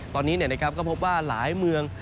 ตอนนี้ก็พบว่าหลายเมือง